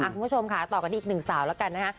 คุณผู้ชมค่ะต่อกันอีกหนึ่งสาวแล้วกันนะคะ